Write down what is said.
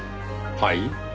はい？